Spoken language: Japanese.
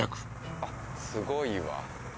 あっすごいわ。